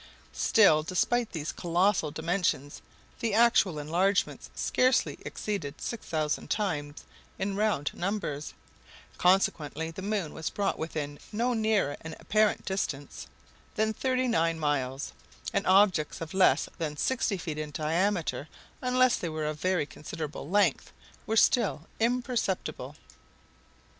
Still, despite these colossal dimensions, the actual enlargements scarcely exceeded 6,000 times in round numbers; consequently, the moon was brought within no nearer an apparent distance than thirty nine miles; and objects of less than sixty feet in diameter, unless they were of very considerable length, were still imperceptible.